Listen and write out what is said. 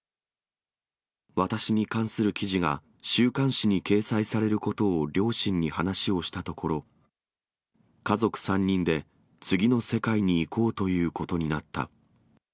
私に関する記事が週刊誌に掲載されることを両親に話をしたところ、家族３人で次の世界に行こうということになった。